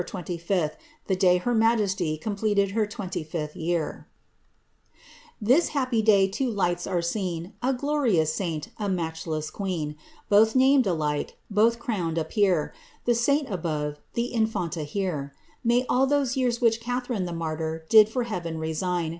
25th, the day her majesty completed her 25th year >—This happy day two lights are seen, A glorious saint, a matchless queen ; Both named alike, both crowned appear — The saint above, the infanta here ; May all those years which Catharine The martyr did fur Heaven resign.